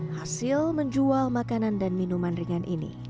hasil menjual makanan dan minuman ringan ini